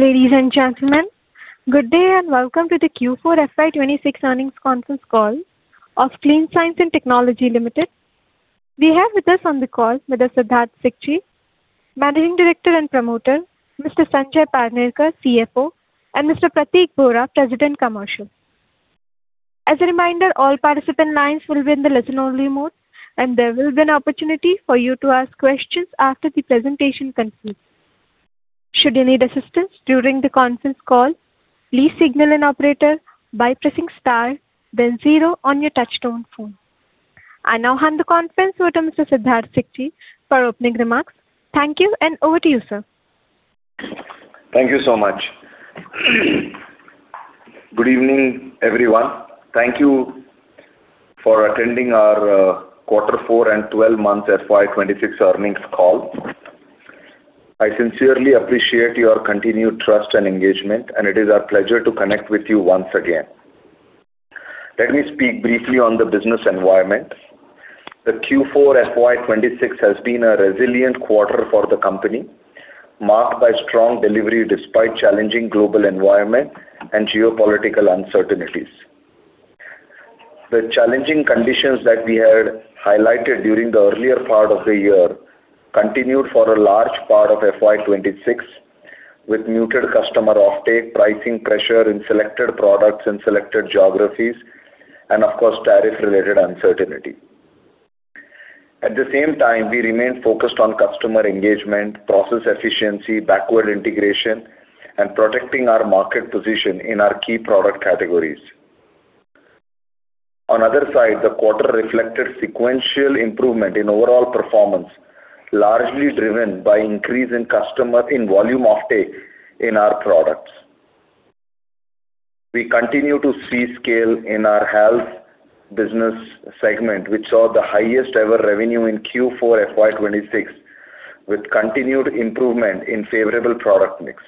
Ladies and gentlemen, good day and welcome to the Q4 FY 2026 earnings conference call of Clean Science and Technology Limited. We have with us on the call Mr. Siddharth Sikchi, Managing Director and Promoter, Mr. Sanjay Panikar, Chief Financial Officer, and Mr. Pratik Bora, President Commercial. As a reminder, all participant lines will be in the listen-only mode, and there will be an opportunity for you to ask questions after the presentation concludes. Should you need assistance during the conference call, please signal an operator by pressing star then zero on your touchtone phone. I now hand the conference over to Mr. Siddharth Sikchi for opening remarks. Thank you, and over to you, sir. Thank you so much. Good evening, everyone. Thank you for attending our quarter four and 12-month FY 2026 earnings call. I sincerely appreciate your continued trust and engagement, and it is our pleasure to connect with you once again. Let me speak briefly on the business environment. The Q4 FY 2026 has been a resilient quarter for the company, marked by strong delivery despite challenging global environment and geopolitical uncertainties. The challenging conditions that we had highlighted during the earlier part of the year continued for a large part of FY 2026, with muted customer offtake, pricing pressure in selected products and selected geographies, and of course, tariff-related uncertainty. At the same time, we remain focused on customer engagement, process efficiency, backward integration, and protecting our market position in our key product categories. On other side, the quarter reflected sequential improvement in overall performance, largely driven by increase in customer in volume offtake in our products. We continue to see scale in our HALS business segment, which saw the highest-ever revenue in Q4 FY 2026, with continued improvement in favorable product mix.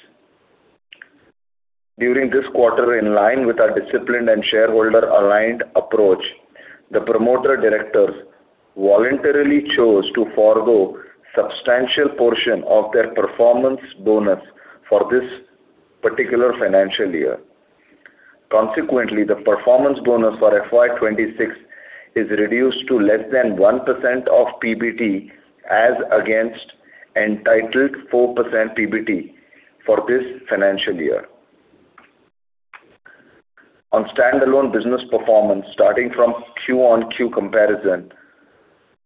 During this quarter, in line with our disciplined and shareholder-aligned approach, the promoter directors voluntarily chose to forgo substantial portion of their performance bonus for this particular financial year. Consequently, the performance bonus for FY 2026 is reduced to less than 1% of PBT as against entitled 4% PBT for this financial year. On standalone business performance, starting from quarter-on-quarter comparison,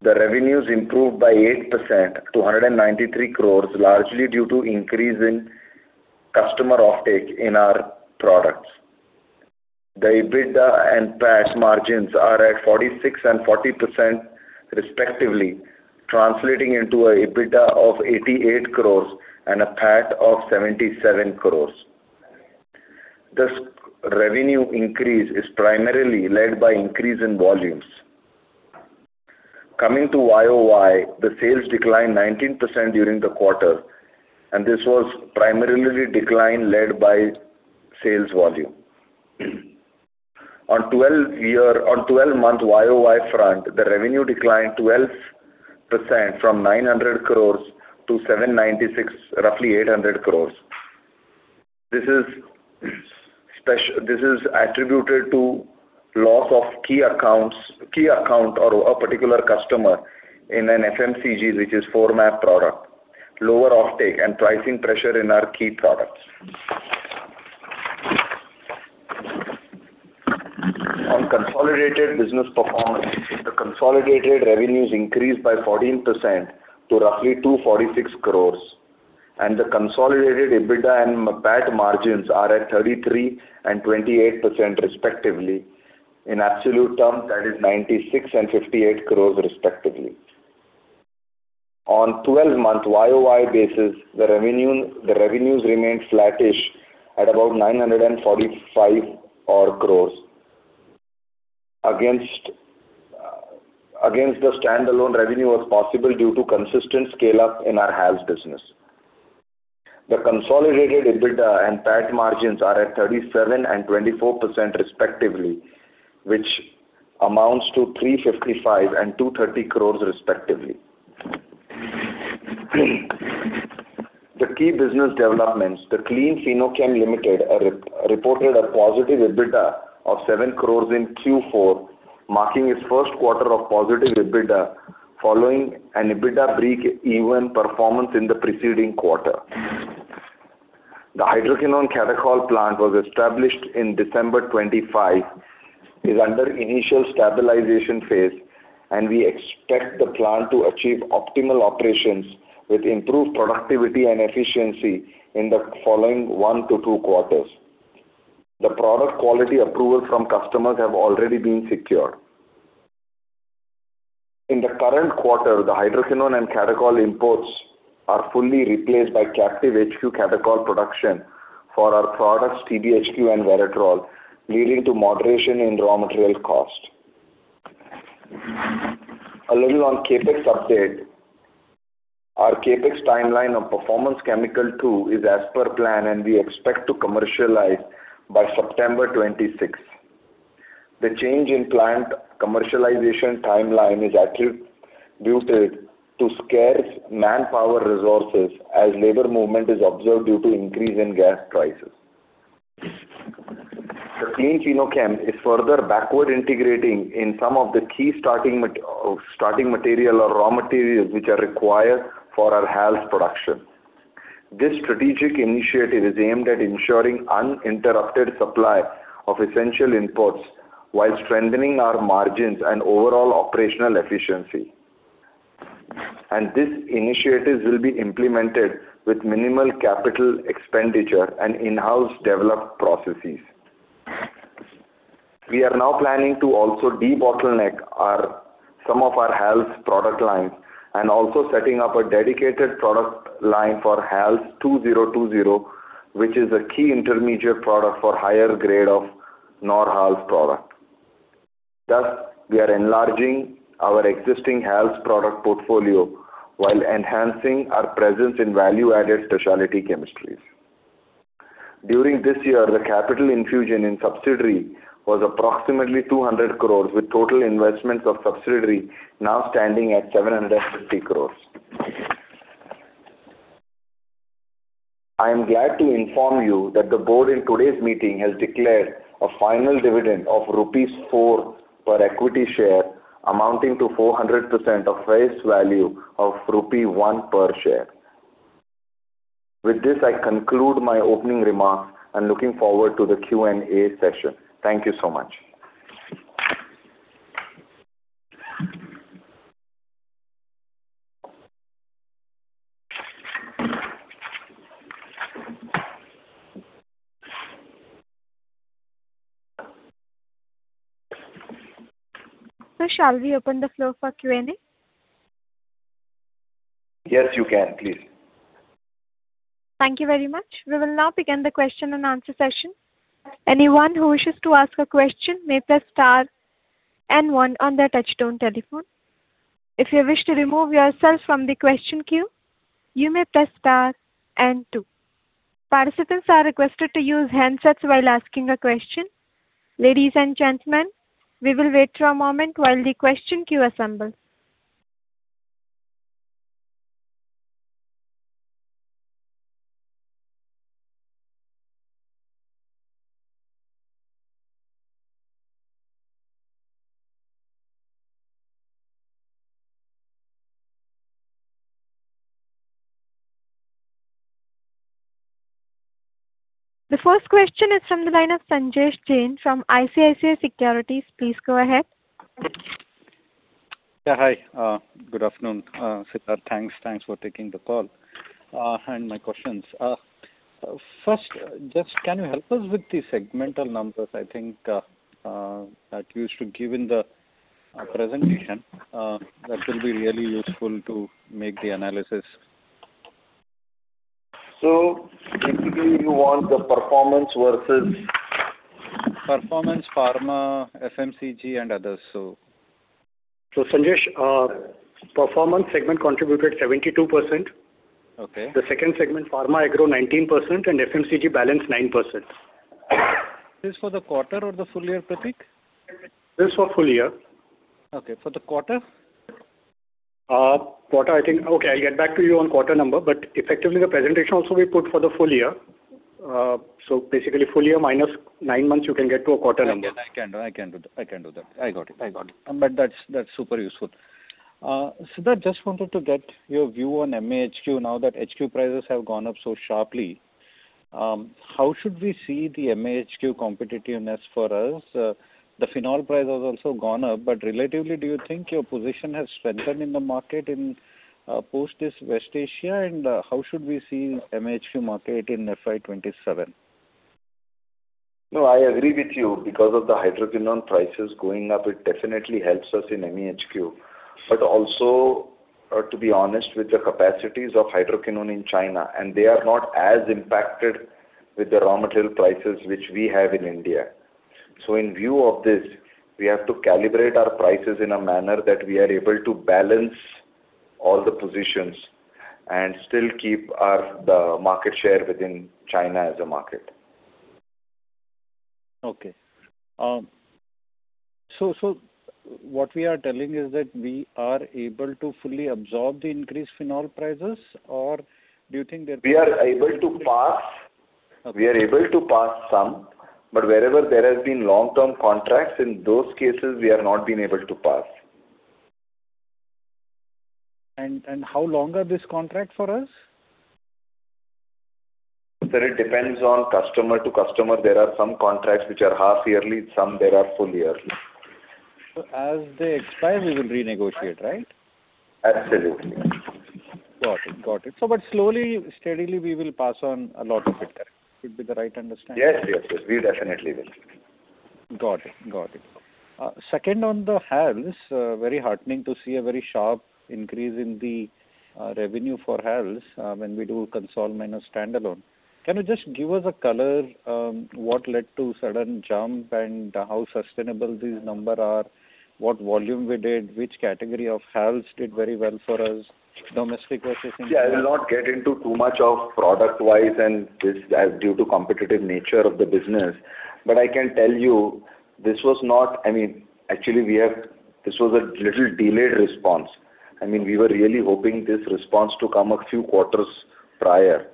the revenues improved by 8% to 193 crores, largely due to increase in customer offtake in our products. The EBITDA and PAT margins are at 46% and 40% respectively, translating into an EBITDA of 88 crores and a PAT of 77 crores. This revenue increase is primarily led by increase in volumes. Coming to year-on-year, the sales declined 19% during the quarter. This was primarily decline led by sales volume. On twelve-month year-on-year front, the revenue declined 12% from 900 crores-796 crores, roughly 800 crores. This is attributed to loss of key accounts, key account or a particular customer in an FMCG, which is pharma product, lower offtake and pricing pressure in our key products. On consolidated business performance, the consolidated revenues increased by 14% to roughly 246 crores. The consolidated EBITDA and PAT margins are at 33% and 28% respectively. In absolute terms, that is 96 and 58 crores respectively. On 12-month year-on-year basis, the revenues remained flattish at about 945 odd crores. Against the standalone revenue was possible due to consistent scale-up in our HALS business. The consolidated EBITDA and PAT margins are at 37% and 24% respectively, which amounts to 355 and 230 crores respectively. The key business developments, Clean Fino-Chem Limited reported a positive EBITDA of 7 crores in Q4, marking its first quarter of positive EBITDA following an EBITDA break-even performance in the preceding quarter. The Hydroquinone Catechol plant was established in December 25th, is under initial stabilization phase, and we expect the plant to achieve optimal operations with improved productivity and efficiency in the following one to two quarters. The product quality approval from customers have already been secured. In the current quarter, the Hydroquinone and Catechol imports are fully replaced by captive HQ Catechol production for our products TBHQ and Veratrole, leading to moderation in raw material cost. A little on CapEx update. Our CapEx timeline of Performance Chemical Two is as per plan, and we expect to commercialize by September 26th. The change in plant commercialization timeline is attributed to scarce manpower resources as labor movement is observed due to increase in gas prices. The Clean Fino-Chem is further backward integrating in some of the key starting material or raw materials which are required for our HALS production. This strategic initiative is aimed at ensuring uninterrupted supply of essential imports while strengthening our margins and overall operational efficiency. These initiatives will be implemented with minimal capital expenditure and in-house developed processes. We are now planning to also debottleneck our, some of our HALS product lines and also setting up a dedicated product line for HALS 2020, which is a key intermediate product for higher grade of Nor-HALS product. We are enlarging our existing HALS product portfolio while enhancing our presence in value-added specialty chemistries. During this year, the capital infusion in subsidiary was approximately 200 crores, with total investments of subsidiary now standing at 750 crores. I am glad to inform you that the board in today's meeting has declared a final dividend of rupees 4 per equity share, amounting to 400% of face value of rupee 1 per share. With this, I conclude my opening remarks and looking forward to the Q&A session. Thank you so much. Shall we open the floor for Q&A? Yes, you can, please. Thank you very much. We will now begin the question and answer session. Anyone who wishes to ask a question may press star and one on their touchtone telephone. If you wish to remove yourself from the question queue, you may press star and two. Participants are requested to use handsets while asking a question. Ladies and gentlemen, we will wait for a moment while the question queue assembles. The first question is from the line of Sanjesh Jain from ICICI Securities. Please go ahead. Yeah, hi. Good afternoon, Siddharth. Thanks. Thanks for taking the call and my questions. First, just can you help us with the segmental numbers, I think, that you should give in the presentation? That will be really useful to make the analysis. Basically, you want the performance versus. Performance, pharma, FMCG, and others. Sanjesh, Performance segment contributed 72%. Okay. The second segment, pharma, it grew 19%, and FMCG balance 9%. This for the quarter or the full year, Pratik? This for full year. Okay. For the quarter? quarter, I think Okay, I'll get back to you on quarter number, but effectively the presentation also we put for the full year. Basically full year minus nine months, you can get to a quarter number. I can do that. I can do that. I got it. I got it. That's super useful. Siddharth, just wanted to get your view on MEHQ now that HQ prices have gone up so sharply. How should we see the MEHQ competitiveness for us? The Phenol price has also gone up, relatively, do you think your position has strengthened in the market in post this West Asia? How should we see MEHQ market in FY 2027? No, I agree with you. Because of the hydroquinone prices going up, it definitely helps us in MEHQ. Also, to be honest, with the capacities of hydroquinone in China, and they are not as impacted with the raw material prices which we have in India. In view of this, we have to calibrate our prices in a manner that we are able to balance all the positions and still keep the market share within China as a market. Okay. what we are telling is that we are able to fully absorb the increased Phenol prices? do you think? We are able to pass. Okay. We are able to pass some, but wherever there has been long-term contracts, in those cases, we have not been able to pass. How long are this contract for us? Sir, it depends on customer to customer. There are some contracts which are half yearly, some there are full yearly. As they expire, we will renegotiate, right? Absolutely. Got it. Slowly, steadily, we will pass on a lot of it there. It'd be the right understanding? Yes, yes. We definitely will. Got it. Got it. Second on the HALS, very heartening to see a very sharp increase in the revenue for HALS, when we do consol minus standalone. Can you just give us a color, what led to sudden jump and how sustainable these number are? What volume we did? Which category of HALS did very well for us? Domestic versus international? Yeah, I will not get into too much of product-wise and this as due to competitive nature of the business. I can tell you this was not I mean, actually, this was a little delayed response. I mean, we were really hoping this response to come a few quarters prior.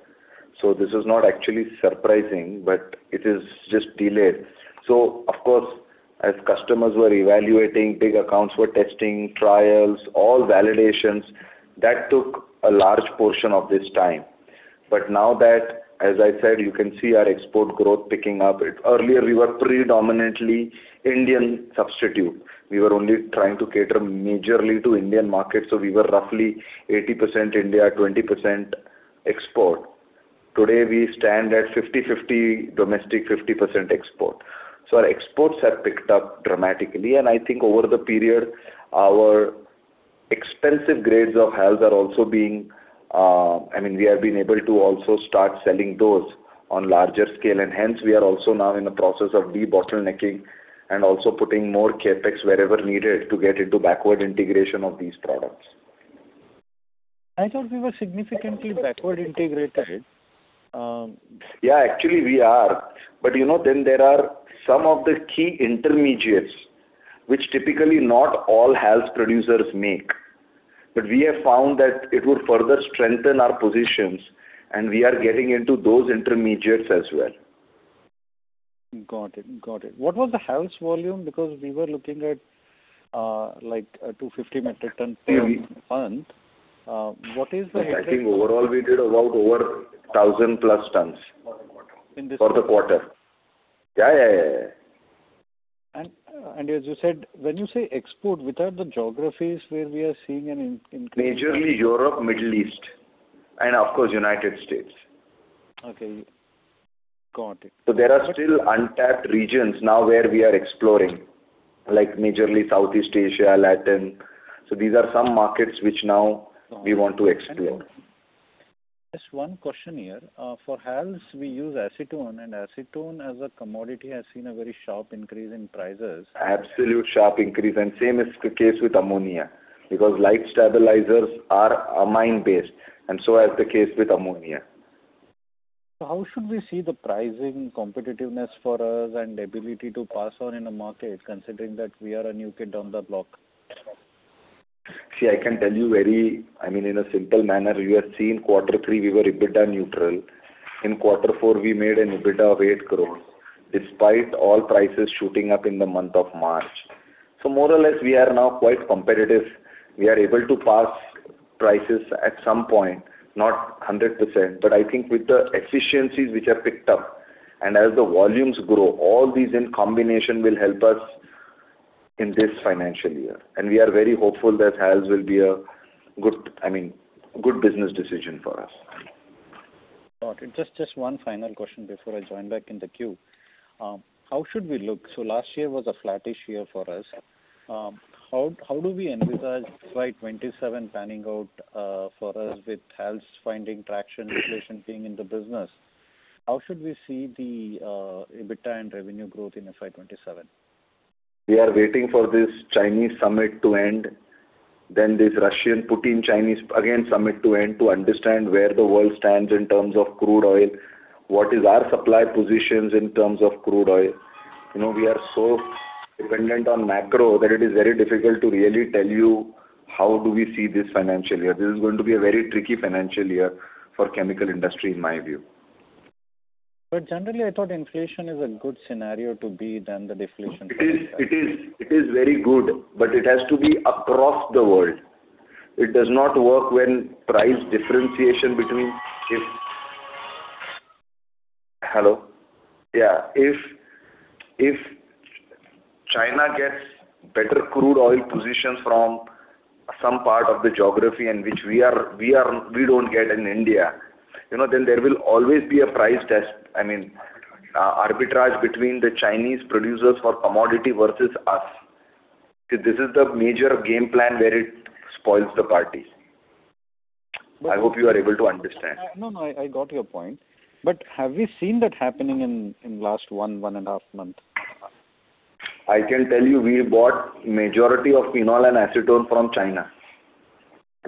This is not actually surprising, but it is just delayed. Of course, as customers were evaluating, big accounts were testing, trials, all validations, that took a large portion of this time. Now that, as I said, you can see our export growth picking up. Earlier, we were predominantly Indian substitute. We were only trying to cater majorly to Indian market. We were roughly 80% India, 20% export. Today, we stand at 50%/50% domestic, 50% export. Our exports have picked up dramatically, and I think over the period, our expensive grades of HALS are also being, I mean, we have been able to also start selling those on larger scale, and hence we are also now in the process of debottlenecking and also putting more CapEx wherever needed to get into backward integration of these products. I thought we were significantly backward integrated. Yeah, actually we are. You know, there are some of the key intermediates which typically not all HALS producers make. We have found that it would further strengthen our positions, and we are getting into those intermediates as well. Got it. What was the HALS volume? We were looking at, like, 250 metric ton per month. I think overall we did about over 1,000+ tons for the quarter. Yeah, yeah, yeah. As you said, when you say export, which are the geographies where we are seeing an increase? Majorly Europe, Middle East, and of course, United States. Okay. Got it. There are still untapped regions now where we are exploring, like majorly Southeast Asia, Latin. These are some markets which now we want to explore. Just one question here. For HALS we use acetone, and acetone as a commodity has seen a very sharp increase in prices. Absolute sharp increase, and same is the case with ammonia, because light stabilizers are amine-based, and so as the case with ammonia. How should we see the pricing competitiveness for us and ability to pass on in a market considering that we are a new kid on the block? See, I can tell you very I mean, in a simple manner, you have seen Q3 we were EBITDA neutral. In Q4 we made an EBITDA of 8 crore despite all prices shooting up in the month of March. More or less we are now quite competitive. We are able to pass prices at some point, not 100%, but I think with the efficiencies which have picked up and as the volumes grow, all these in combination will help us in this financial year. We are very hopeful that HALS will be a good, I mean, good business decision for us. Got it. Just one final question before I join back in the queue. How should we look? Last year was a flattish year for us. How do we envisage FY 2027 panning out for us with HALS finding traction, inflation being in the business? How should we see the EBITDA and revenue growth in FY 2027? We are waiting for this Chinese summit to end, then this Russian Putin-Chinese again summit to end to understand where the world stands in terms of crude oil, what is our supply positions in terms of crude oil. You know, we are so dependent on macro that it is very difficult to really tell you how do we see this financial year. This is going to be a very tricky financial year for chemical industry in my view. Generally I thought inflation is a good scenario to be than the deflation. It is. It is very good, but it has to be across the world. If China gets better crude oil positions from some part of the geography and which we don't get in India, you know, then there will always be a price test. I mean, arbitrage between the Chinese producers for commodity versus us. This is the major game plan where it spoils the party. I hope you are able to understand. No, no, I got your point. Have we seen that happening in last one, 1.5 Month? I can tell you we bought majority of Phenol and Acetone from China,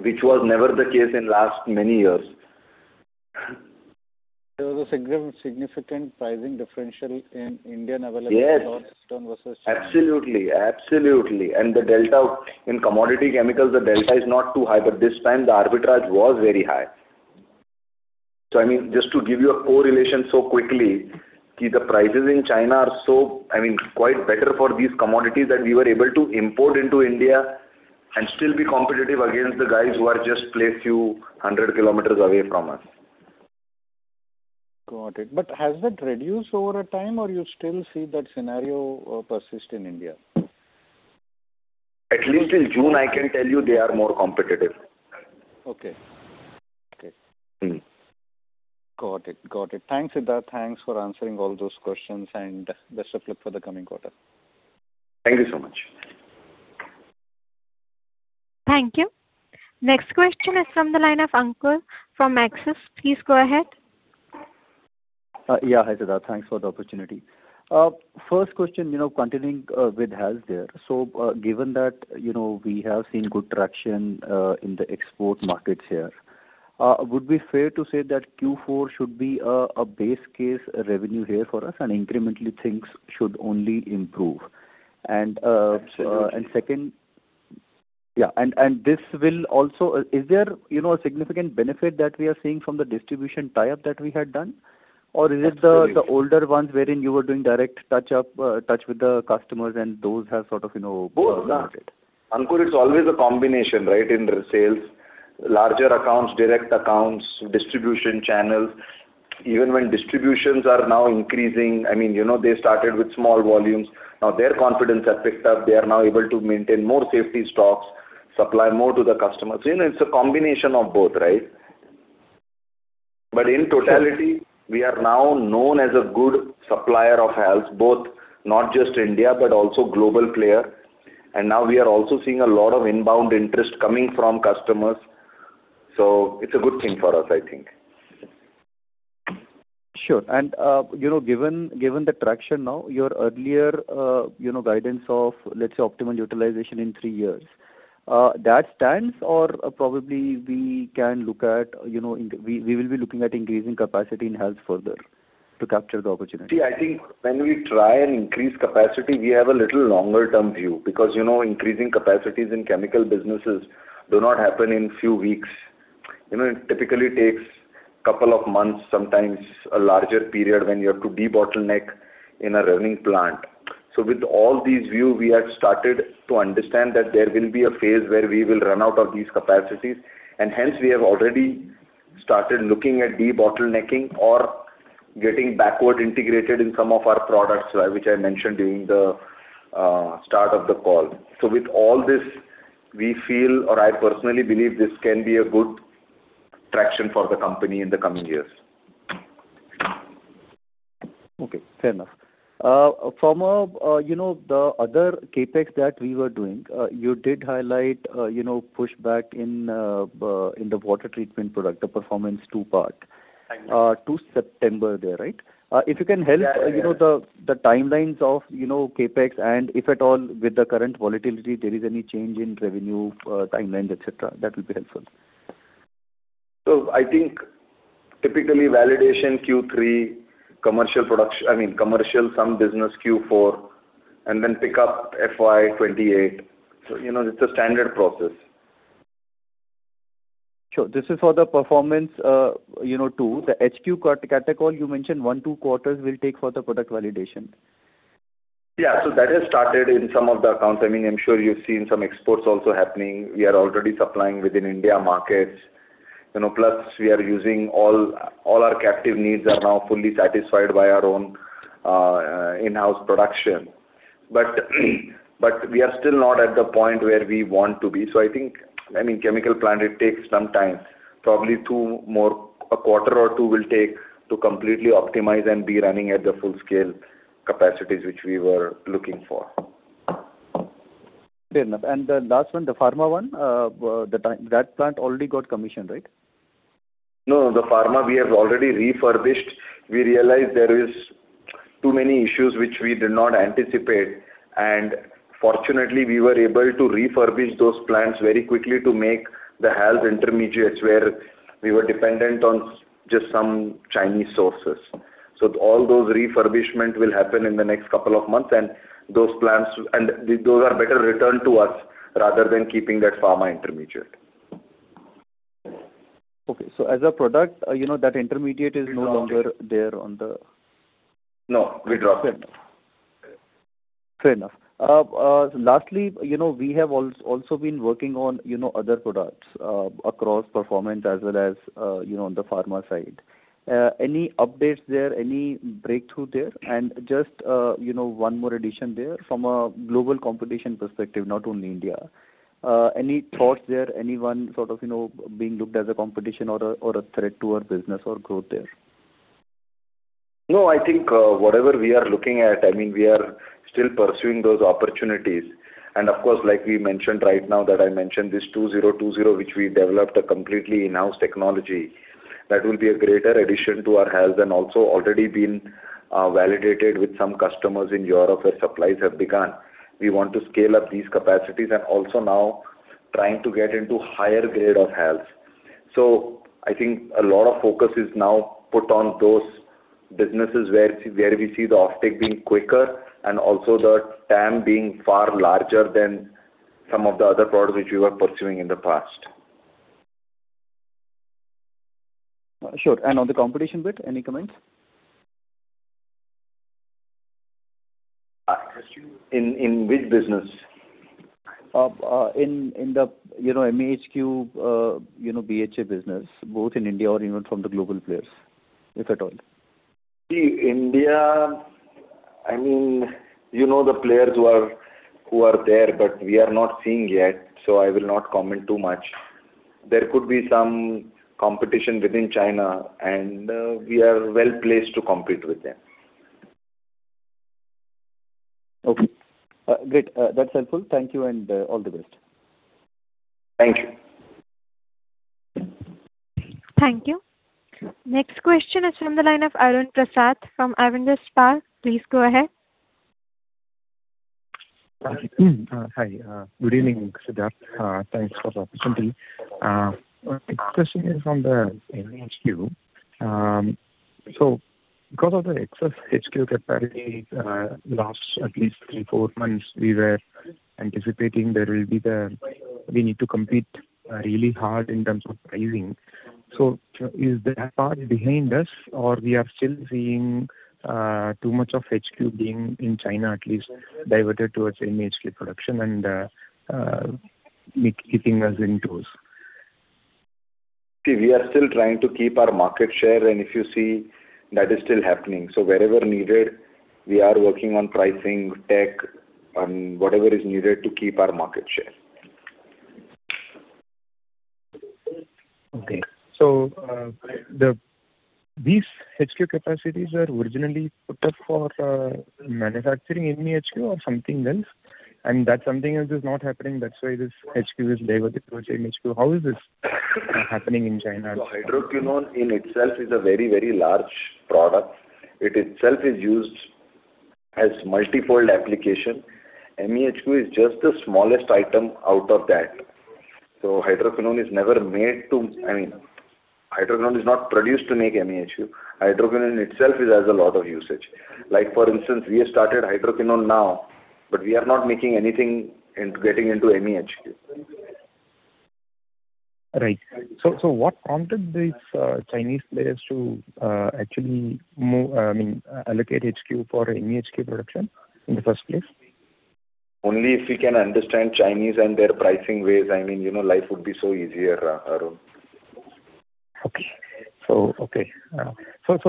which was never the case in last many years. There was a significant pricing differential in Indian availability. Yes versus China. Absolutely. Absolutely. The delta in commodity chemicals, the delta is not too high, but this time the arbitrage was very high. I mean, just to give you a correlation so quickly, the prices in China are so, I mean, quite better for these commodities that we were able to import into India and still be competitive against the guys who are just placed few hundred kilometers away from us. Got it. Has that reduced over time or you still see that scenario persist in India? At least till June I can tell you they are more competitive. Okay. Okay. Got it. Thanks, Siddharth. Thanks for answering all those questions, and best of luck for the coming quarter. Thank you so much. Thank you. Next question is from the line of Ankur from Axis. Please go ahead. Yeah. Hi, Siddharth. Thanks for the opportunity. First question, you know, continuing with HALS there. Given that, you know, we have seen good traction in the export markets here, would it be fair to say that Q4 should be a base case revenue here for us and incrementally things should only improve? Absolutely. Second Yeah, and this will also Is there, you know, a significant benefit that we are seeing from the distribution tie-up that we had done? Absolutely. Is it the older ones wherein you were doing direct touch-up, touch with the customers and those have sort of, you know, worked? Both, Ankur. Ankur, it's always a combination, right? In the sales, larger accounts, direct accounts, distribution channels. Even when distributions are now increasing, I mean, you know, they started with small volumes. Now their confidence has picked up. They are now able to maintain more safety stocks, supply more to the customers. You know, it's a combination of both, right? Sure. We are now known as a good supplier of HALS, both not just India, but also global player. Now we are also seeing a lot of inbound interest coming from customers. It's a good thing for us, I think. Sure. you know, given the traction now, your earlier, you know, guidance of, let's say, optimal utilization in three years, that stands or probably we can look at, you know, we will be looking at increasing capacity in HALS further to capture the opportunity. I think when we try and increase capacity, we have a little longer term view because, you know, increasing capacities in chemical businesses do not happen in few weeks. You know, it typically takes couple of months, sometimes a larger period when you have to debottleneck in a running plant. With all these view we have started to understand that there will be a phase where we will run out of these capacities and hence we have already started looking at debottlenecking or getting backward integrated in some of our products, which I mentioned during the start of the call. With all this we feel or I personally believe this can be a good traction for the company in the coming years. Okay. Fair enough. From a, you know, the other CapEx that we were doing, you did highlight, you know, push back in the water treatment product, the Performance two-part. I know. to September there, right? Yeah, yeah. If you can help, you know, the timelines of, you know, CapEx and if at all with the current volatility there is any change in revenue, timelines, et cetera, that will be helpful. I think typically validation Q3, commercial production I mean commercial some business Q4 and then pick up FY 2028. You know, it's a standard process. Sure. This is for the Performance, you know, two. The HQ, Catechol you mentioned one, two quarters will take for the product validation. That has started in some of the accounts. I mean, I am sure you have seen some exports also happening. We are already supplying within India markets. You know, we are using all our captive needs are now fully satisfied by our own in-house production. We are still not at the point where we want to be. I think, I mean, chemical plant it takes some time, probably two more, a quarter or two will take to completely optimize and be running at the full-scale capacities which we were looking for. Fair enough. The last one, the pharma one, That plant already got commissioned, right? No, the pharma we have already refurbished. We realized there is too many issues which we did not anticipate and fortunately we were able to refurbish those plants very quickly to make the HALS intermediates where we were dependent on just some Chinese sources. All those refurbishment will happen in the next couple of months and those plants and those are better return to us rather than keeping that pharma intermediate. Okay. As a product, you know, that intermediate is no longer- Withdrawn it. there on the No, withdrawn. Fair enough. Lastly, you know, we have also been working on, you know, other products, across Performance as well as, you know, on the pharma side. Any updates there? Any breakthrough there? Just, you know, one more addition there. From a global competition perspective, not only India, any thoughts there? Anyone sort of, you know, being looked as a competition or a, or a threat to our business or growth there? No, I think, whatever we are looking at, I mean, we are still pursuing those opportunities. Of course like we mentioned right now that I mentioned this 2020 which we developed a completely in-house technology that will be a greater addition to our HALS and also already been validated with some customers in Europe where supplies have begun. We want to scale up these capacities and also now trying to get into higher grade of HALS. I think a lot of focus is now put on those businesses where we see the off-take being quicker and also the TAM being far larger than some of the other products which we were pursuing in the past. Sure. On the competition bit, any comments? Excuse, in which business? In the, you know, MEHQ, you know, BHA business, both in India or even from the global players, if at all. See, India, I mean, you know the players who are there, but we are not seeing yet, so I will not comment too much. There could be some competition within China and we are well placed to compete with them. Okay. Great. That's helpful. Thank you, and, all the best. Thank you. Thank you. Next question is from the line of Arun Prasath from Avendus Spark. Please go ahead. Hi. Good evening, Siddharth. Thanks for the opportunity. My question is on the MEHQ. Because of the excess HQ capacity, last at least three months, four months, we were anticipating we need to compete really hard in terms of pricing. Is that part behind us or we are still seeing too much of HQ being, in China at least, diverted towards MEHQ production and keeping us in toes? We are still trying to keep our market share, and if you see, that is still happening. Wherever needed, we are working on pricing, tech, and whatever is needed to keep our market share. Okay. These HQ capacities were originally put up for manufacturing MEHQ or something else, and that something else is not happening, that's why this HQ is diverted towards MEHQ. How is this happening in China? Hydroquinone in itself is a very, very large product. It itself is used as multifold application. MEHQ is just the smallest item out of that. Hydroquinone is never made to, I mean, Hydroquinone is not produced to make MEHQ. Hydroquinone itself has a lot of usage. Like for instance, we have started Hydroquinone now, but we are not making anything and getting into MEHQ. Right. What prompted these Chinese players to actually move, I mean, allocate HQ for MEHQ production in the first place? Only if we can understand Chinese and their pricing ways, I mean, you know, life would be so easier, Arun. Okay.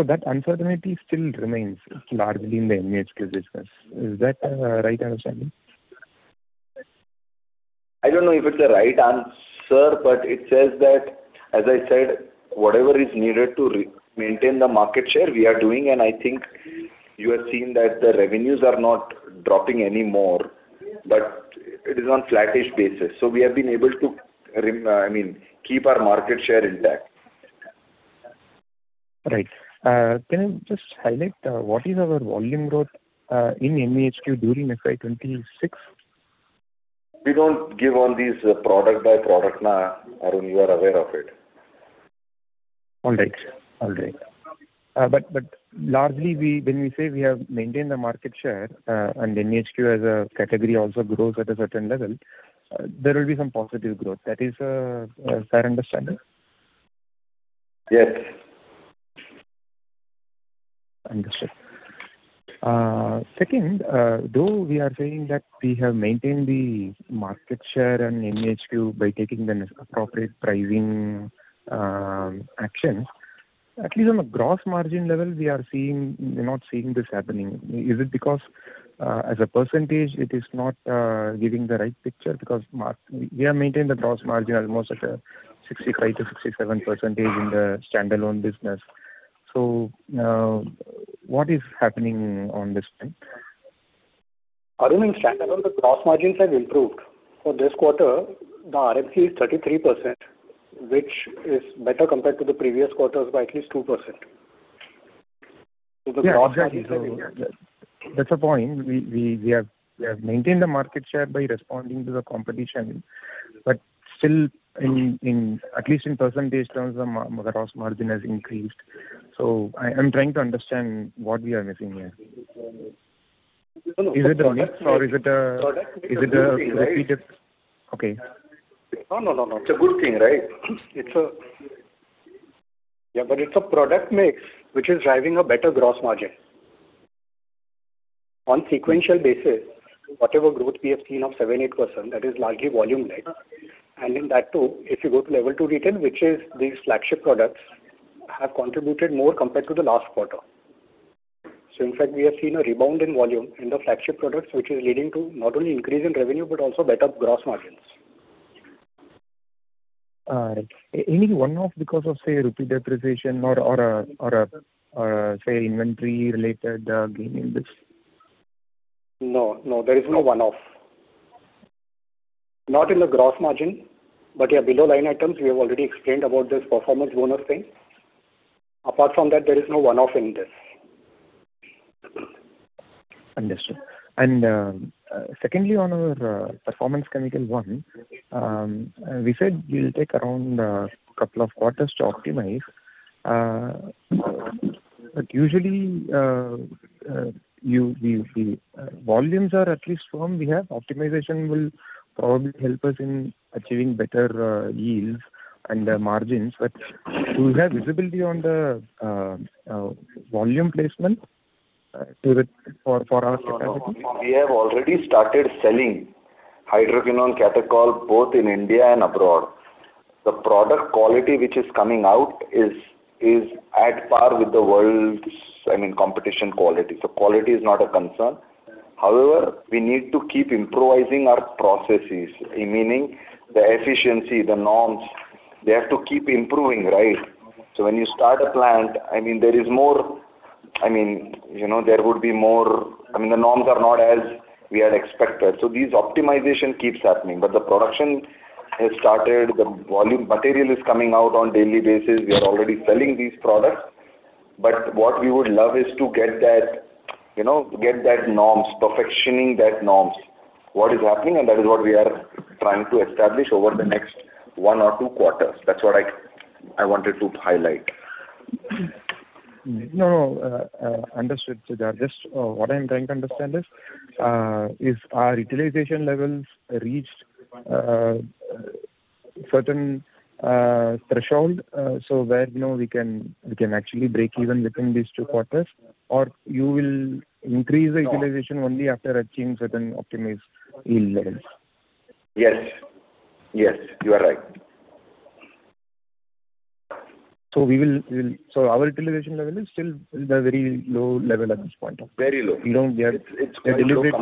That uncertainty still remains largely in the MEHQ business. Is that a right understanding? I don't know if it's a right answer, but it says that, as I said, whatever is needed to re-maintain the market share, we are doing. I think you have seen that the revenues are not dropping anymore, but it is on flattish basis. We have been able to I mean keep our market share intact. Right. Can you just highlight what is our volume growth in MEHQ during FY 2026? We don't give all these product by product, Arun, you are aware of it. All right. All right. Largely when we say we have maintained the market share, and MEHQ as a category also grows at a certain level, there will be some positive growth. That is a fair understanding? Yes. Understood. Second, though we are saying that we have maintained the market share and MEHQ by taking the appropriate pricing actions, at least on the gross margin level, we are not seeing this happening. Is it because as a percentage it is not giving the right picture? Because we are maintaining the gross margin almost at a 65%-67% in the standalone business. What is happening on this front? Arun, in standalone, the gross margins have improved. For this quarter, the RM Cost is 33%, which is better compared to the previous quarters by at least 2%. Yeah, exactly. That's the point. We have maintained the market share by responding to the competition. Still, at least in percentage terms, the gross margin has increased. I'm trying to understand what we are missing here. No, no. Is it the mix or is it? Product mix is a good thing, right? Is it a repeated Okay? No, no, no. It's a good thing, right? It's a product mix which is driving a better gross margin. On sequential basis, whatever growth we have seen of 7%, 8%, that is largely volume led. In that too, if you go to level two retail, which is these flagship products, have contributed more compared to the last quarter. In fact, we have seen a rebound in volume in the flagship products, which is leading to not only increase in revenue, but also better gross margins. Right. Any one-off because of, say, rupee depreciation or a, say, inventory related, gain in this? No, no, there is no one-off. Not in the gross margin, but yeah, below line items, we have already explained about this performance one-off thing. Apart from that, there is no one-off in this. Understood. Secondly, on our Performance Chemical One, we said it'll take around a couple of quarters to optimize. Usually, the volumes are at least from we have optimization will probably help us in achieving better yields and margins. Do you have visibility on the volume placement to the For our category? We have already started selling hydroquinone catechol both in India and abroad. The product quality which is coming out is at par with the world's, I mean, competition quality. Quality is not a concern. However, we need to keep improvising our processes, meaning the efficiency, the norms. They have to keep improving, right? When you start a plant, I mean, there is more I mean, you know, there would be more I mean, the norms are not as we had expected. These optimization keeps happening. The production has started. The volume material is coming out on daily basis. We are already selling these products. What we would love is to get that, you know, get that norms, perfectioning that norms, what is happening, and that is what we are trying to establish over the next one or two quarters. That's what I wanted to highlight. No, understood, Siddharth. Just what I'm trying to understand is if our utilization levels reached certain threshold, so where, you know, we can actually break even within these two quarters or you will increase the utilization. No. only after achieving certain optimized yield levels. Yes. Yes, you are right. Our utilization level is still a very low level at this point. Very low. We don't get- It's very low. It is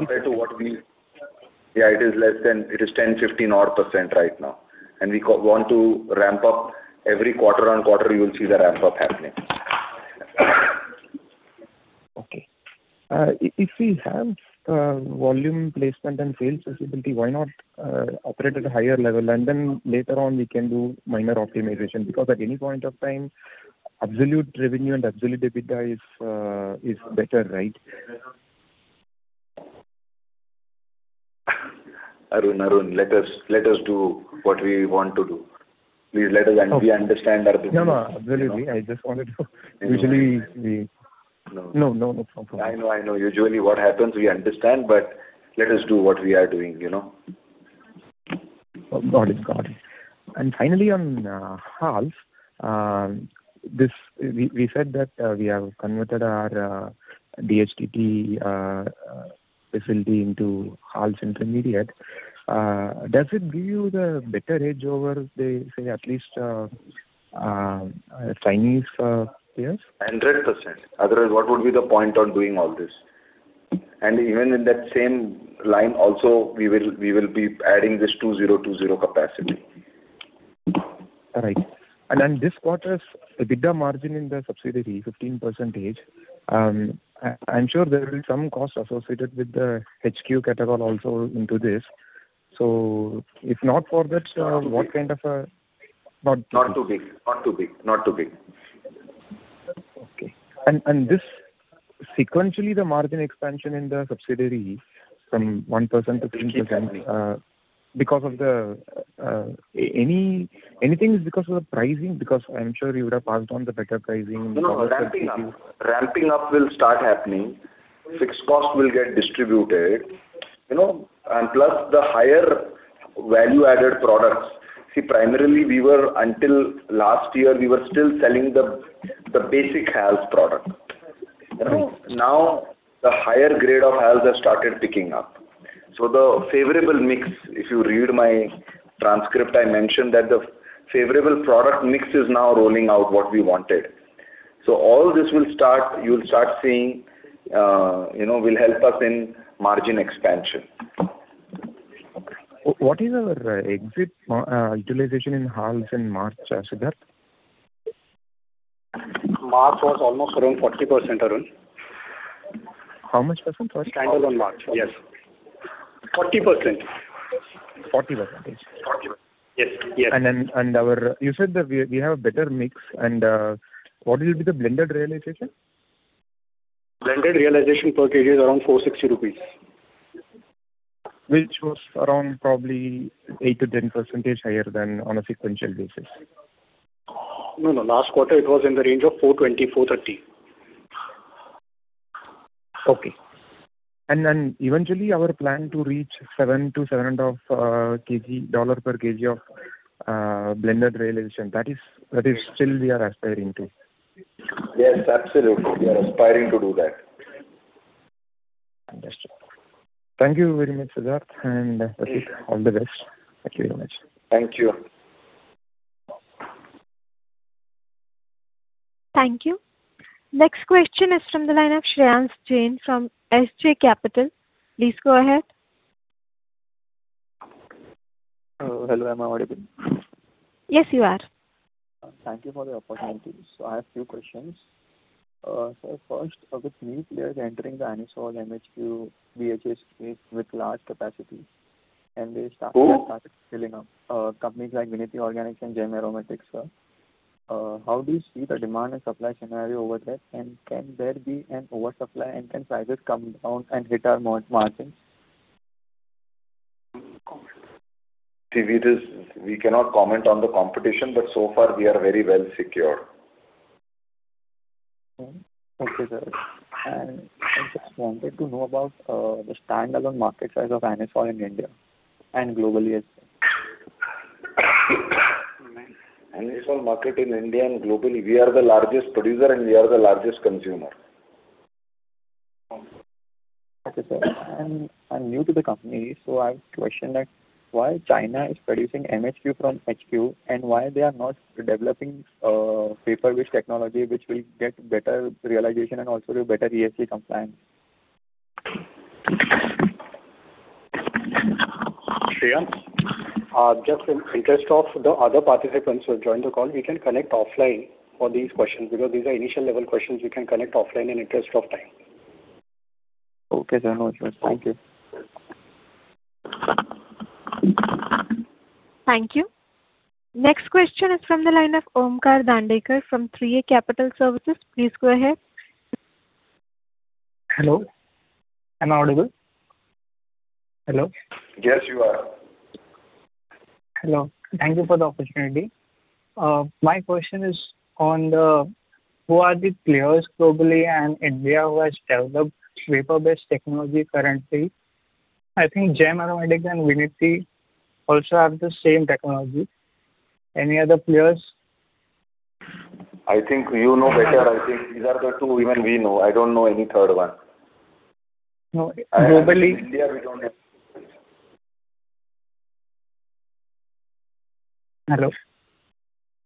10%, 15 odd % right now, and we want to ramp up. Every quarter-on-quarter you will see the ramp up happening. Okay. If we have volume placement and sales visibility, why not operate at a higher level and then later on we can do minor optimization? At any point of time, absolute revenue and absolute EBITDA is better, right? Arun, let us do what we want to do. Okay. We understand our business. No, no, absolutely. I just wanted to usually. No. No, no. It's all cool. I know, I know. Usually what happens, we understand, Let us do what we are doing, you know. Got it. Finally, on HALS, we said that we have converted our DHDT facility into HALS intermediate. Does it give you the better edge over the, say, at least Chinese peers? 100%. Otherwise, what would be the point on doing all this? Even in that same line also, we will be adding this 2020 capacity. Right. This quarter's EBITDA margin in the subsidiary, 15%, I'm sure there will be some cost associated with the HQ, Catechol also into this. If not for that, what kind of. Not big. Not- Not too big. Not too big. Not too big. Okay. Sequentially the margin expansion in the subsidiary from 1%-3%, because of anything, is because of the pricing? I'm sure you would have passed on the better pricing. No, no. Ramping up will start happening. Fixed cost will get distributed, you know, plus the higher value-added products. See, primarily Until last year we were still selling the basic HALS product. Now the higher grade of HALS has started picking up. The favorable mix, if you read my transcript, I mentioned that the favorable product mix is now rolling out what we wanted. All this, you'll start seeing, you know, will help us in margin expansion. Okay. What is our exit utilization in HALS in March, Siddharth? March was almost around 40%, Arun. How much percent was it? Standalone March. Yes. 40%. 40%. 40%. Yes. Yes. You said that we have a better mix and what will be the blended realization? Blended realization per kg is around 460 rupees. Which was around probably 8%-10% higher than on a sequential basis. No, no. Last quarter it was in the range of 420-430. Okay. Then eventually our plan to reach $7-$7.5 per kg of blended realization, that is still we are aspiring to. Yes, absolutely. We are aspiring to do that. Understood. Thank you very much, Siddharth, and Pratik, all the best. Thank you very much. Thank you. Thank you. Next question is from the line of Shashank Jain from SJ Capital. Please go ahead. Hello, am I audible? Yes, you are. Thank you for the opportunity. I have few questions. First, with new players entering the Anisole, MEHQ, BHA space with large capacity. Who? Started filling up, companies like Vinati Organics and Gem Aromatics, how do you see the demand and supply scenario over there? Can there be an oversupply and can prices come down and hit our margins? We cannot comment on the competition, but so far we are very well secured. Okay. Okay, got it. I just wanted to know about the standalone market size of anisole in India and globally as well. Anisole market in India and globally, we are the largest producer and we are the largest consumer. Okay, sir. I'm new to the company, so I have a question that why China is producing MEHQ from HQ and why they are not developing vapor phase technology which will get better realization and also better ESG compliance? Shashank, just in interest of the other participants who have joined the call, we can connect offline for these questions. These are initial level questions, we can connect offline in interest of time. Okay, sir. Thank you. Thank you. Next question is from the line of Omkar Dandekar from 3A Capital Services. Please go ahead. Hello. Am I audible? Hello. Yes, you are. Hello. Thank you for the opportunity. My question is on who are the players globally and India who has developed vapor phase technology currently? I think Gem Aromatics and Vinati also have the same technology. Any other players? I think you know better. I think these are the two even we know. I don't know any third one. No, globally. In India we don't have. Hello.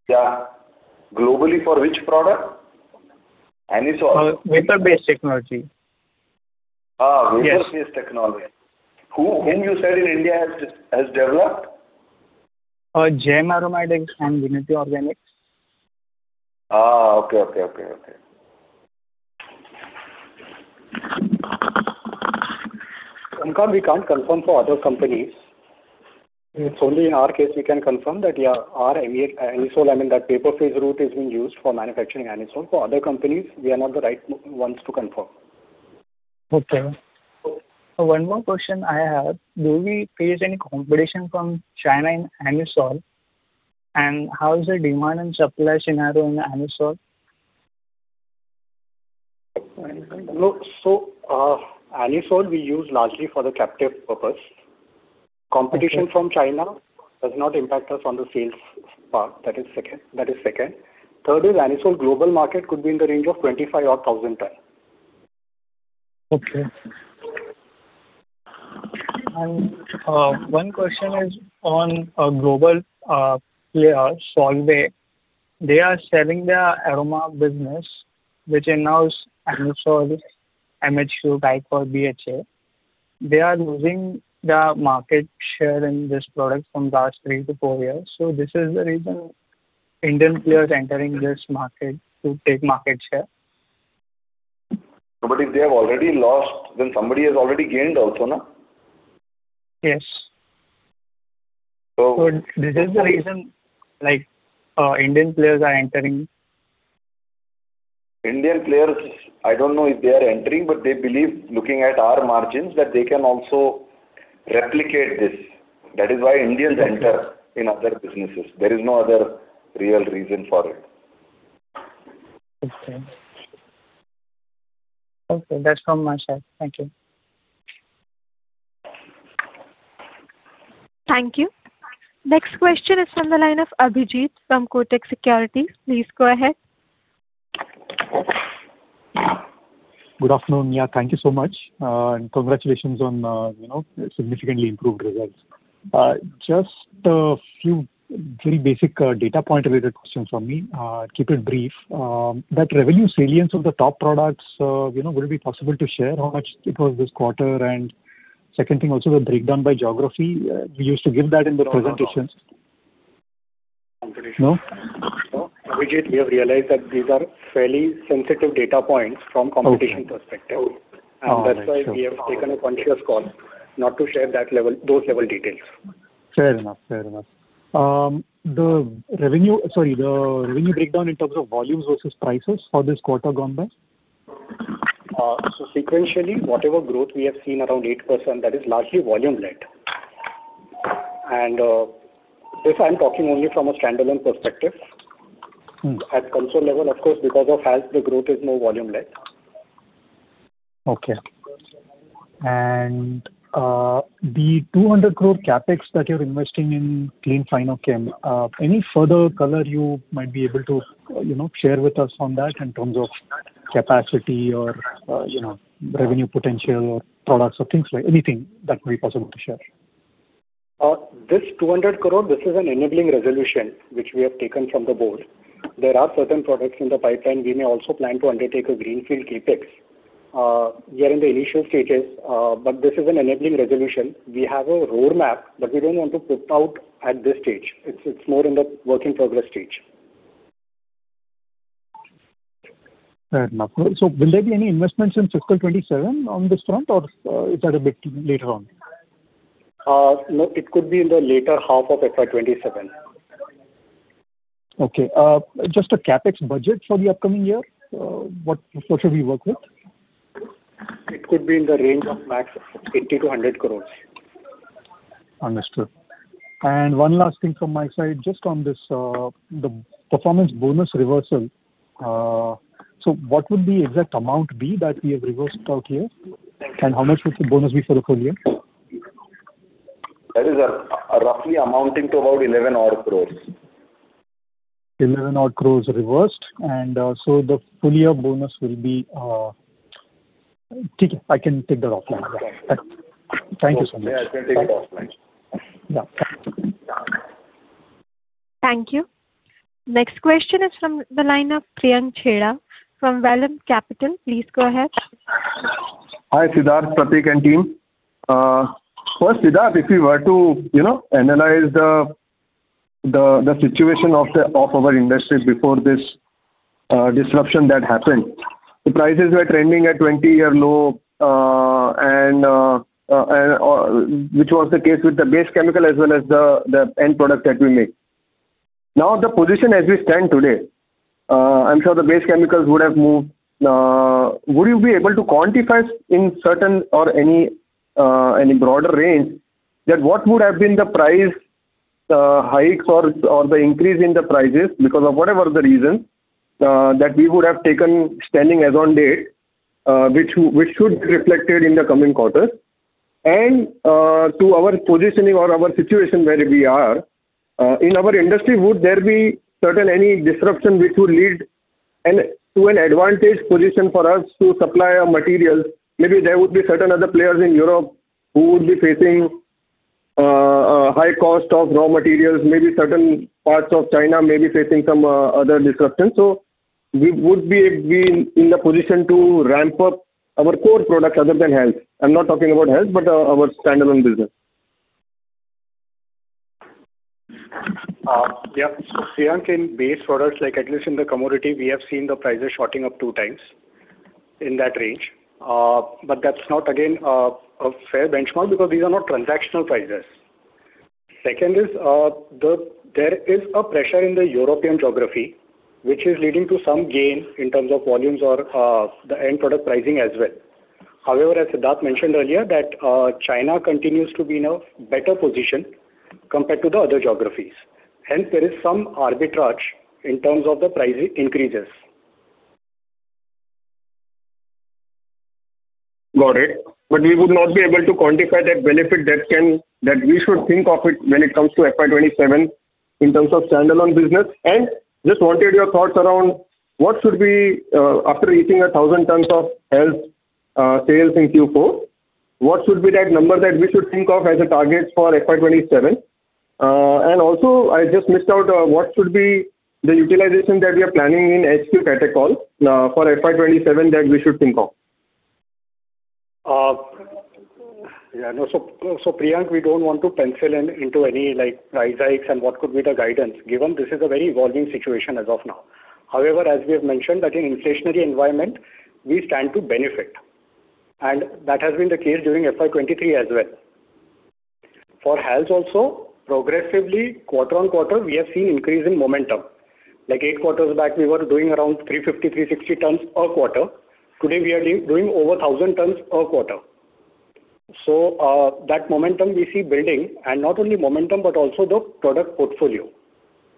Yeah. Globally for which product? Anisole? Vapor phase technology. Yes. Vapor-based technology. Who, whom you said in India has developed? Gem Aromatics and Vinati Organics. Okay. Okay. Okay. Okay. Omkar, we can't confirm for other companies. It's only in our case we can confirm that, yeah, our anisole, I mean, that vapor phase route is being used for manufacturing anisole. For other companies, we are not the right ones to confirm. Okay. One more question I have. Do we face any competition from China in anisole? How is the demand and supply scenario in anisole? No. Anisole we use largely for the captive purpose. Okay. Competition from China does not impact us on the sales part. That is second. Third is Anisole global market could be in the range of 25 tons or 1,000 tons. Okay. One question is on a global, player, Solvay. They are selling their aroma business, which includes anisole, MEHQ, type or BHA. They are losing their market share in this product from last three to four years. This is the reason Indian players entering this market to take market share. No, if they have already lost, then somebody has already gained also, no? Yes. So- This is the reason, like, Indian players are entering. Indian players, I don't know if they are entering, but they believe looking at our margins, that they can also replicate this. That is why Indians enter in other businesses. There is no other real reason for it. Okay. Okay. That's all from my side. Thank you. Thank you. Next question is from the line of Abhijit from Kotak Securities. Please go ahead. Good afternoon. Yeah, thank you so much. Congratulations on, you know, significantly improved results. Just a few very basic data point related questions from me. Keep it brief. That revenue salience of the top products, you know, will it be possible to share how much it was this quarter? Second thing also the breakdown by geography. You used to give that in the presentations. No, no. No? Abhijit, we have realized that these are fairly sensitive data points from competition perspective. Okay. Oh, right. Sure. That's why we have taken a conscious call not to share that level, those level details. Fair enough. Fair enough. The revenue breakdown in terms of volumes versus prices for this quarter gone by? Sequentially, whatever growth we have seen around 8%, that is largely volume led. This I'm talking only from a standalone perspective. At consolidated level, of course, because of HALS, the growth is more volume led. Okay. The 200 crore CapEx that you're investing in Clean Fino-Chem Limited, any further color you might be able to, you know, share with us on that in terms of capacity or, you know, revenue potential or products or things like Anything that may be possible to share? This 200 crore, this is an enabling resolution which we have taken from the board. There are certain products in the pipeline. We may also plan to undertake a greenfield CapEx. We are in the initial stages, but this is an enabling resolution. We have a roadmap, but we don't want to put out at this stage. It's more in the work in progress stage. Fair enough. Will there be any investments in fiscal 2027 on this front or is that a bit later on? No, it could be in the later half of FY 2027. Okay. Just a CapEx budget for the upcoming year, what should we work with? It could be in the range of max 80-100 crores. Understood. One last thing from my side, just on this, the performance bonus reversal. What would the exact amount be that we have reversed out here? Thank you. How much would the bonus be for the full year? That is, roughly amounting to about 11 odd crores. 11 odd crores reversed. I can take that offline. Okay. Thank you so much. Yeah, I can take it offline. Yeah. Thank you. Next question is from the line of Priyank Chheda from Vallum Capital. Please go ahead. Hi, Siddharth, Pratik, and team. First, Siddharth, if we were to, you know, analyze the situation of our industry before this disruption that happened, the prices were trending at 20-year low, and which was the case with the base chemical as well as the end product that we make. Now, the position as we stand today, I'm sure the base chemicals would have moved. Would you be able to quantify in certain or any broader range that what would have been the price hike or the increase in the prices because of whatever the reason that we would have taken standing as on date, which should be reflected in the coming quarter? To our positioning or our situation where we are in our industry, would there be certain any disruption which would lead to an advantage position for us to supply our materials? Maybe there would be certain other players in Europe who would be facing a high cost of raw materials. Maybe certain parts of China may be facing some other disruption. Would we be in the position to ramp up our core products other than HALS? I'm not talking about HALS, but our standalone business. Yeah. Priyank, in base products, like at least in the commodity, we have seen the prices shooting up 2x in that range. That's not again a fair benchmark because these are not transactional prices. Second is, there is a pressure in the European geography, which is leading to some gain in terms of volumes or the end product pricing as well. However, as Siddharth mentioned earlier, that China continues to be in a better position compared to the other geographies. Hence, there is some arbitrage in terms of the price increases. Got it. We would not be able to quantify that benefit That we should think of it when it comes to FY 2027 in terms of standalone business. Just wanted your thoughts around what should be after reaching 1,000 tons of HALS sales in Q4, what should be that number that we should think of as a target for FY 2027? Also, I just missed out, what should be the utilization that we are planning in HQ catechol for FY 2027 that we should think of? Priyank, we don't want to pencil in into any, like, price hikes and what could be the guidance, given this is a very evolving situation as of now. However, as we have mentioned that in inflationary environment, we stand to benefit, and that has been the case during FY 2023 as well. For HALS also, progressively quarter-on-quarter, we have seen increase in momentum. Like eight quarters back, we were doing around 350, 360 tons a quarter. Today, we are doing over 1,000 tons a quarter. That momentum we see building, and not only momentum, but also the product portfolio.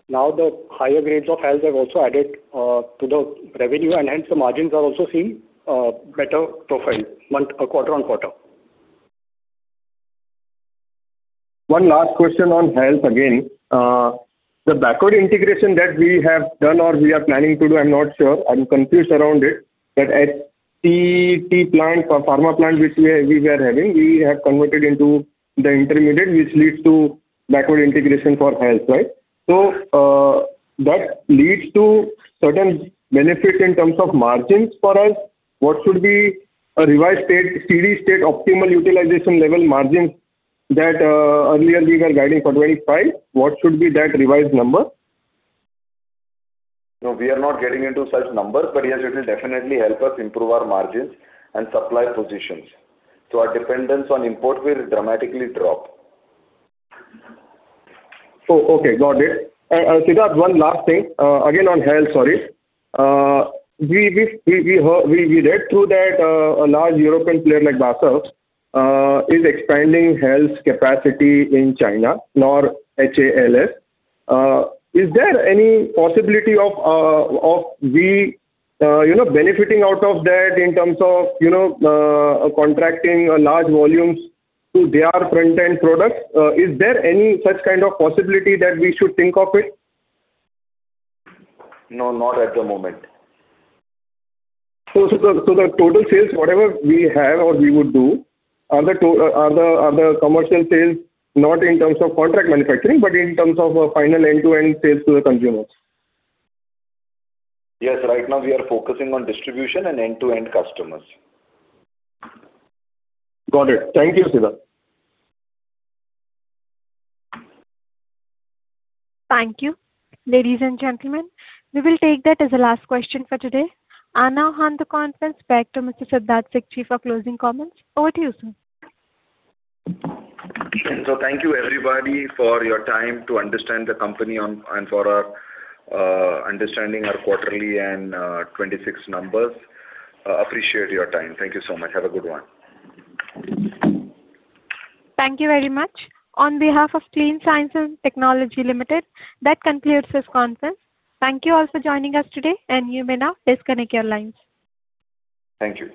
Now, the higher grades of HALS have also added to the revenue, and hence the margins are also seeing better profile quarter-on-quarter. One last question on HALS again. The backward integration that we have done or we are planning to do, I'm not sure. I'm confused around it. At CET plant or pharma plant which we were having, we have converted into the intermediate, which leads to backward integration for HALS, right? That leads to certain benefit in terms of margins for us. What should be a revised state, steady-state optimal utilization level margins that earlier we were guiding for 25%? What should be that revised number? No, we are not getting into such numbers, but yes, it will definitely help us improve our margins and supply positions. Our dependence on import will dramatically drop. Oh, okay. Got it. Siddharth, one last thing, again on HALS, sorry. We heard, we read through that a large European player like BASF is expanding HALS capacity in China, NOR HALS. Is there any possibility of we, you know, benefiting out of that in terms of, you know, contracting large volumes to their front-end products? Is there any such kind of possibility that we should think of it? No, not at the moment. The total sales, whatever we have or we would do are the commercial sales not in terms of contract manufacturing, but in terms of final end-to-end sales to the consumers. Yes. Right now we are focusing on distribution and end-to-end customers. Got it. Thank you, Siddharth. Thank you. Ladies and gentlemen, we will take that as the last question for today. I now hand the conference back to Mr. Siddharth Sikchi for closing comments. Over to you, sir. Thank you, everybody, for your time to understand the company and for understanding our quarterly and 2026 numbers. Appreciate your time. Thank you so much. Have a good one. Thank you very much. On behalf of Clean Science and Technology Limited, that concludes this conference. Thank you all for joining us today, and you may now disconnect your lines. Thank you